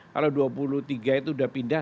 kalau dua puluh tiga itu sudah pindah